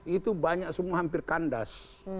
itu banyak semua hampir kandas